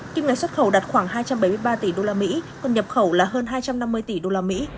kim ngạch xuất khẩu đạt khoảng hai trăm bảy mươi ba tỷ usd còn nhập khẩu là hơn hai trăm năm mươi tỷ usd